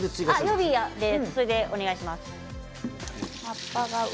予備はそちらでお願いします。